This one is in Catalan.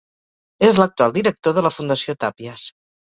És l'actual director de la Fundació Tàpies.